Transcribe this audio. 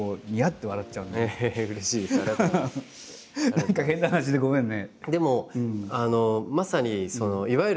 何か変な話でごめんね。